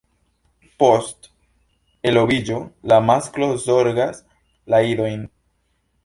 Post eloviĝo la masklo zorgas la idojn.